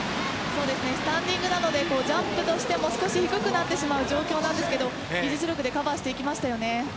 スタンディングなのでジャンプとしても少し低くなってしまう状況なんですけど技術力でカバーしていきましたよね。